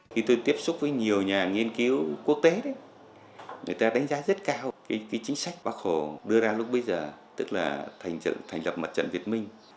khi tôi tiếp xúc với nhiều nhà nghiên cứu quốc tế đấy người ta đánh giá rất cao chính sách bác hồ đưa ra lúc bây giờ tức là thành lập mặt trận việt minh